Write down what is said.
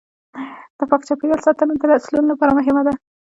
د پاک چاپیریال ساتنه د نسلونو لپاره مهمه ده.